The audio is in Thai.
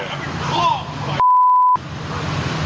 ห้อบ๊วย